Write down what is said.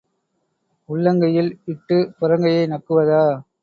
உள்ளங்கையில் இட்டுப் புறங்கையை நக்குவதா?